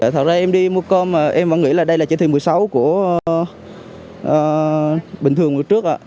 thật ra em đi mua cơm mà em vẫn nghĩ là đây là chỉ thị một mươi sáu của bình thường trước